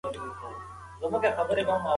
کم غوښه خوړونکي چاپیریال ته لږ زیان رسوي.